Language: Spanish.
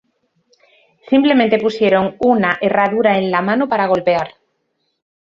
Simplemente pusieron una herradura en la mano para golpear.